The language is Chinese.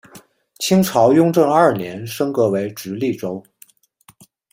清朝雍正二年升格为直隶州。